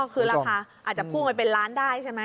คือราคาอาจจะพุ่งไปเป็นล้านได้ใช่ไหม